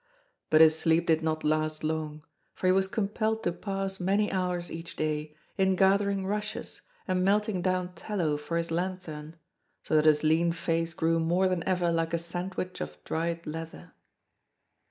But his sleep did not last long, for he was compelled to pass many hours each day in gathering rushes and melting down tallow for his lanthorn; so that his lean face grew more than ever like a sandwich of dried leather.